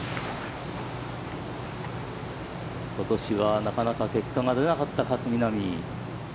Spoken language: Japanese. ことしは、なかなか結果が出なかった勝みなみ。